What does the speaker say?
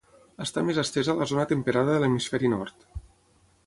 Està més estesa a la zona temperada de l'hemisferi nord.